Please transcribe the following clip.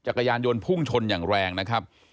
จักรยานยนต์พุ่งชนอย่างแรงนะครับ